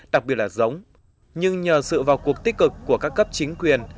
đặc biệt là giống nhưng nhờ sự vào cuộc tích cực của các cấp chính quyền